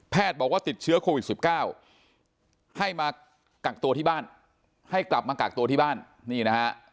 บอกว่าติดเชื้อโควิด๑๙ให้มากักตัวที่บ้านให้กลับมากักตัวที่บ้านนี่นะฮะ